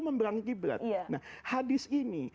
membelakangi qiblat nah hadis ini